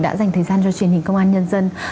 đã dành thời gian cho truyền hình công an nhân dân